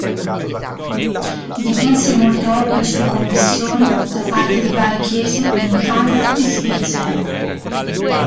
Dipinse molte opere su commissione da parte di varie chiese in Italia e Svizzera.